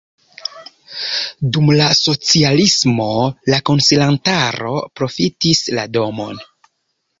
Dum la socialismo la konsilantaro profitis la domon.